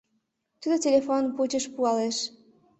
Тудо телефон пучыш пуалеш: